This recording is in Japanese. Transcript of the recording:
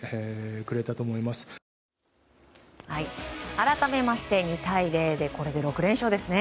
改めまして２対０でこれで６連勝ですね。